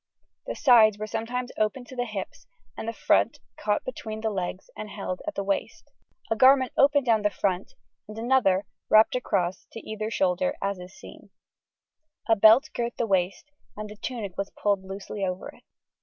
The sides were sometimes opened to the hips and the front caught between the legs and held at the waist. A garment opened down the front, and another wrapped across to either shoulder is also seen. A belt girt the waist, and the tunic was pulled loosely over it.